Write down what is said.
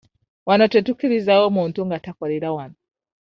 Wano tetukkirizaawo muntu nga takolera wano.